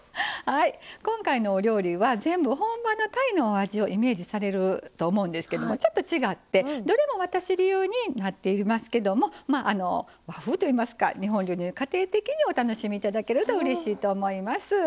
今回のお料理は全部本場のタイのお味をイメージされると思うんですけどもちょっと違ってどれも私流になっていますけど和風といいますか日本流に家庭的にお楽しみいただけるとうれしいと思います。